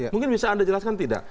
mungkin bisa anda jelaskan tidak